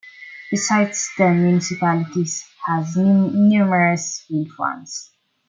Besides the municipality has numerous wind farms.